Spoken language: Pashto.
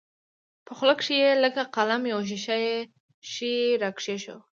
په خوله کښې يې لکه قلم يو ښيښه يي شى راکښېښوو.